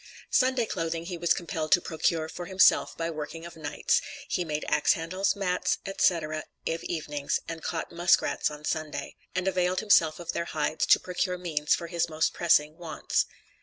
Sunday clothing he was compelled to procure for himself by working of nights; he made axe handles, mats, etc., of evenings, and caught musk rats on Sunday, and availed himself of their hides to procure means for his most pressing wants.